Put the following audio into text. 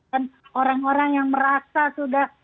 dan orang orang yang merasa sudah